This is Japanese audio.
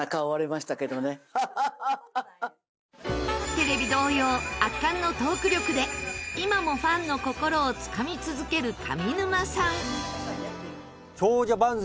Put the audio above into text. テレビ同様圧巻のトーク力で今もファンの心をつかみ続ける上沼さん。